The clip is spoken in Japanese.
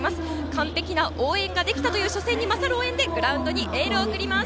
完璧な応援ができたという初戦に勝る応援でグラウンドにエールを送ります。